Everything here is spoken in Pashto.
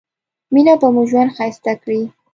مينه به مو ژوند ښايسته کړي